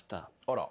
あら。